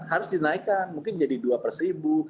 harus dinaikkan mungkin jadi dua per seribu